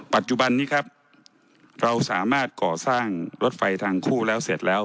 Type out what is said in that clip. ปัจจุบันนี้ครับเราสามารถก่อสร้างรถไฟทางคู่แล้วเสร็จแล้ว